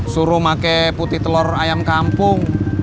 suruh pakai putih telur ayam kampung